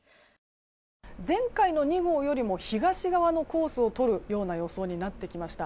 前回の２号よりも東側のコースをとる予想になってきました。